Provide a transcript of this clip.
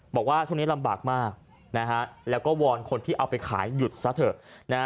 บอกว่าช่วงนี้ลำบากมากนะฮะแล้วก็วอนคนที่เอาไปขายหยุดซะเถอะนะฮะ